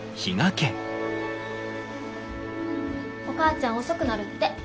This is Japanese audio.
お母ちゃん遅くなるって。